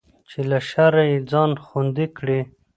چې له شره يې ځان خوندي کړي.